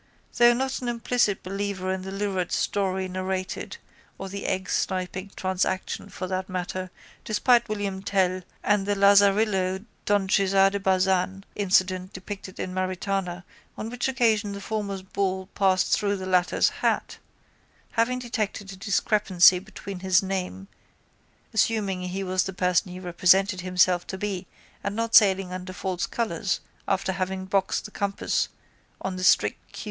Though not an implicit believer in the lurid story narrated (or the eggsniping transaction for that matter despite William Tell and the Lazarillo Don Cesar de Bazan incident depicted in Maritana on which occasion the former's ball passed through the latter's hat) having detected a discrepancy between his name (assuming he was the person he represented himself to be and not sailing under false colours after having boxed the compass on the strict q.t.